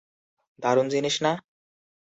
দারুণ জিনিস না?